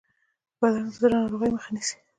بادرنګ د زړه ناروغیو مخه نیسي.